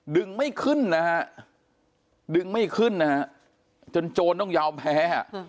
ดึงไม่ขึ้นนะฮะดึงไม่ขึ้นนะฮะจนโจรต้องยอมแพ้